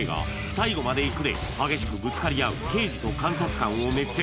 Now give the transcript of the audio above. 「最後まで行く」で激しくぶつかりあう刑事と監察官を熱演